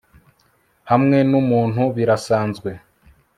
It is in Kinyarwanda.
Hamwe numuntu birasanzwe